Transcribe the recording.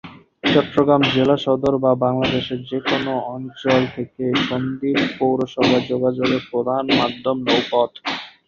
চট্টগ্রাম জেলা সদর বা বাংলাদেশের যে কোন অঞ্চল থেকে সন্দ্বীপ পৌরসভায় যোগাযোগের প্রধান মাধ্যম নৌপথ।